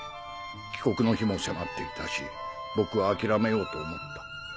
帰国の日も迫っていたし僕はあきらめようと思った。